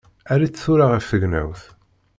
Err-itt tura ɣef tegnawt!